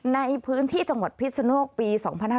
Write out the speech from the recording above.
ในพื้นที่จังหวัดพิศนโลกปี๒๕๕๙